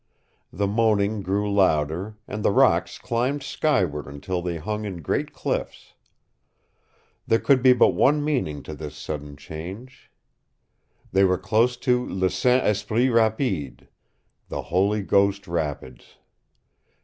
The moaning grew louder, and the rocks climbed skyward until they hung in great cliffs. There could be but one meaning to this sudden change. They were close to LE SAINT ESPRIT RAPIDE the Holy Ghost Rapids.